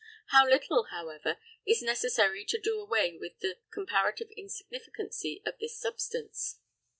How little, however, is necessary to do away with the comparative insignificancy of this substance.